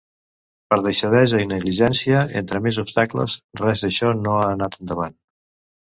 Per deixadesa i negligència, entre més obstacles, res d’això no ha anat endavant.